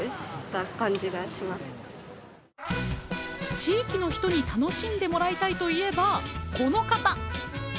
地域の人に楽しんでもらいたいと言えば、この方！